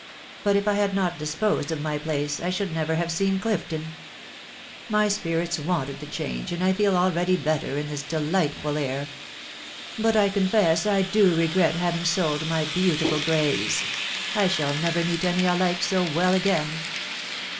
But if I had not disposed of my place* J should nevjer have seen Clifton. ... My spirits wanted tfr» cbtnge, MDd I fed already better in tibia fa&^rtfraV ifou THE WIDOW BARNABY l$$ 1 confess I do. regret haying sold my beautiful greys ... I shall never meet any I like so well again."